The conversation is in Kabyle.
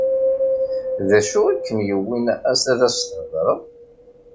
D acu i kem-yewwin ad as-theḍṛeḍ?